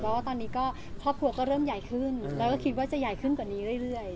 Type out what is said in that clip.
เพราะว่าตอนนี้ก็ครอบครัวก็เริ่มใหญ่ขึ้นแล้วก็คิดว่าจะใหญ่ขึ้นกว่านี้เรื่อย